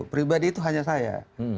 pribadi itu hanya saya